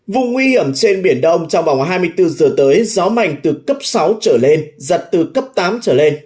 vùng nguy hiểm trên biển đông trong vòng hai mươi bốn giờ tới gió mạnh từ cấp sáu trở lên giật từ cấp tám trở lên